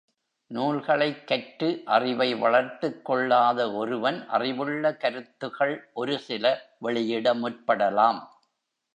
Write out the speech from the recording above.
நூல்களைக் கற்று அறிவை வளர்த்துக்கொள்ளாத ஒருவன், அறிவுள்ள கருத்துகள் ஒருசில வெளியிட முற்படலாம்.